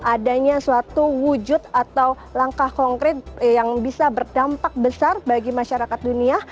adanya suatu wujud atau langkah konkret yang bisa berdampak besar bagi masyarakat dunia